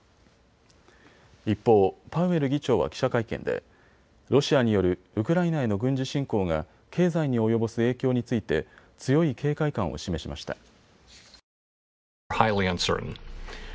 一方、パウエル議長は記者会見でロシアによるウクライナへの軍事侵攻が経済に及ぼす影響について強い警戒感を示しました。